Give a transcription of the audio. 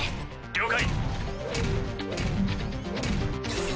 了解。